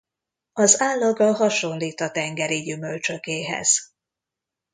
Az állaga hasonlít a tengeri gyümölcsökéhez.